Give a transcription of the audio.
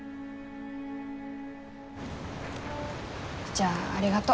じゃあありがと。